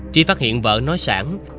trí phát hiện vợ nói sẵn